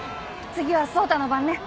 次は走太の番ね。